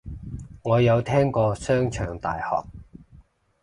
我有聽過商場大學